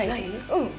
うん。